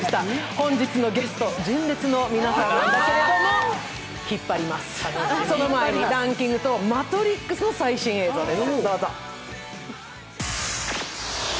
本日はのゲスト、純烈の皆さんだけれども引っ張ります、その前にランキングと「マトリックス」の最新映像です。